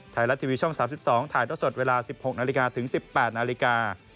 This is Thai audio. ไทยรัฐทีวีช่อง๓๒ถ่ายท่อสดเวลา๑๖นาฬิกาถึง๑๘นาฬิกา